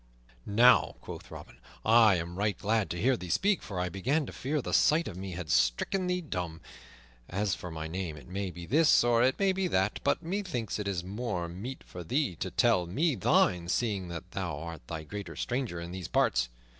"Now," quoth Robin, "I am right glad to hear thee speak, for I began to fear the sight of me had stricken thee dumb. As for my name, it may be this or it may be that; but methinks it is more meet for thee to tell me thine, seeing that thou art the greater stranger in these parts.